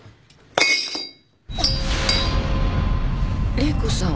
玲子さん？